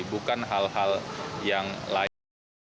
bukan hal hal yang lain